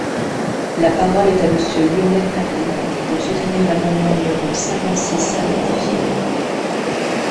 La parole est à Monsieur Lionel Tardy, pour soutenir l’amendement numéro cinquante-six rectifié.